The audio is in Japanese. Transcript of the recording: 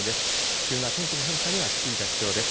急な天気の変化には注意が必要です。